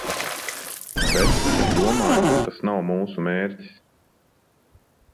Bet, es domāju, tas nav mūsu mērķis.